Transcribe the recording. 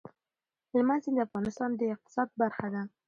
هلمند سیند د افغانستان د اقتصاد برخه ده.